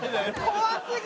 怖すぎ！